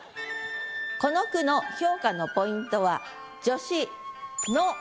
この句の評価のポイントは助詞「の」